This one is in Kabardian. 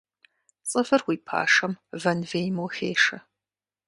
Цӏывыр уи пашэм вэнвейм ухешэ.